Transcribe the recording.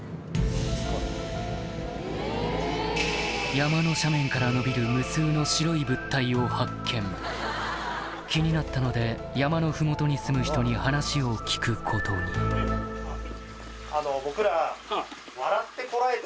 山の斜面から伸びるを発見気になったので山の麓に住む人に話を聞くことに僕ら。